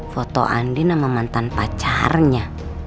foto andin sama mantan pacarnya